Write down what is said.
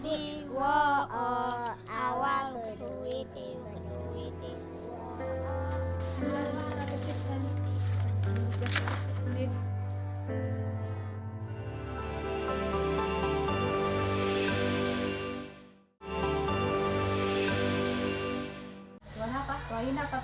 keluar apa keluar indah atau keluar dapet